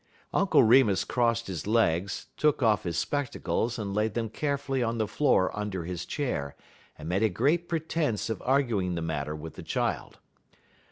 Uncle Remus crossed his legs, took off his spectacles and laid them carefully on the floor under his chair, and made a great pretence of arguing the matter with the child.